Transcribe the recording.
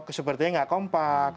kok sepertinya nggak kompak